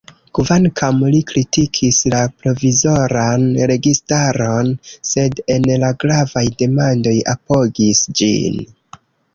Kvankam li kritikis la provizoran registaron, sed en la gravaj demandoj apogis ĝin.